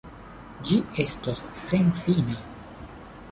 Ĝi estos senfina.